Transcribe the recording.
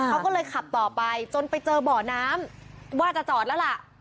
เขาก็เลยขับต่อไปจนไปเจอบ่อน้ำว่าจะจอดแล้วล่ะ